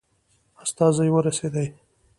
استازی ورسېدی.